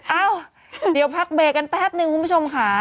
เอ้าเดี๋ยวพักเบรกกันแป๊บนึงคุณผู้ชมค่ะ